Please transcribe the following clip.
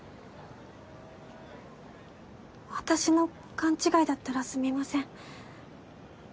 私の勘違いだったらすみません。